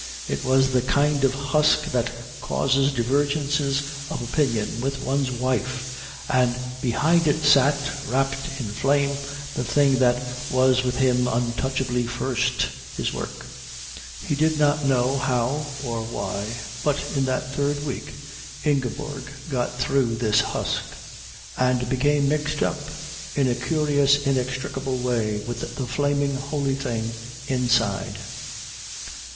It was the kind of husk that causes divergences of opinion with one's wife. And behind it sat, wrapped in flame, the thing that was with him untouchably first, his work. He did not know how or why, but in that third week Ingeborg got through this husk and became mixed up in a curious inextricable way with the flaming holy thing inside.